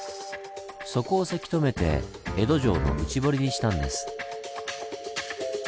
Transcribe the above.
そこをせき止めて江戸城の内堀にしたんです。